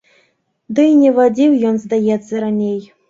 Ды і не вадзіў ён здаецца раней.